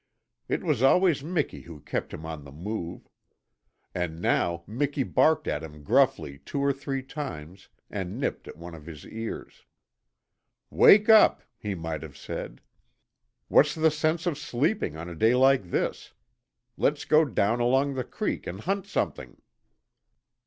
It was always Miki who kept him on the move. And now Miki barked at him gruffly two or three times, and nipped at one of his ears. "Wake up!" he might have said. "What's the sense of sleeping on a day like this? Let's go down along the creek and hunt something."